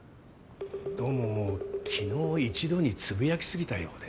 どうも昨日一度につぶやきすぎたようで。